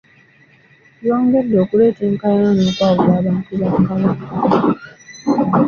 Byongedde okuleeta enkaayana n’okwawula abantu ba Kabaka.